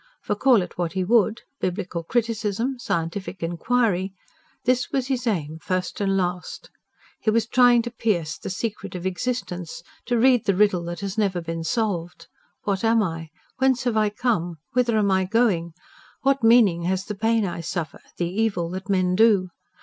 For, call it what he would Biblical criticism, scientific inquiry this was his aim first and last. He was trying to pierce the secret of existence to rede the riddle that has never been solved. What am I? Whence have I come? Whither am I going? What meaning has the pain I suffer, the evil that men do?